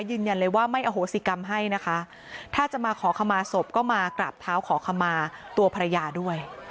ยืนยันเลยว่าไม่อโหสิกรรมให้นะคะถ้าจะมาขอขมาศพก็มากราบเท้าขอขมาตัวภรรยาด้วย